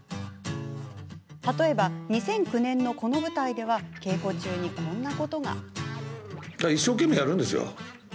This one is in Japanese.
例えば２００９年のこの舞台では稽古中に、こんなことが。